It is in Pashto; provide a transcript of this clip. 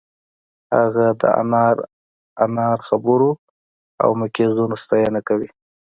هغه د انار انار خبرو او مکیزونو ستاینه کوي